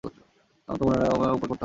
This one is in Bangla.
আর তো সময় নেই, এখনই একটা উপায় করতে হবে।